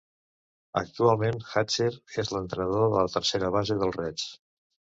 Actualment, Hatcher és l'entrenador de la tercera base dels Reds.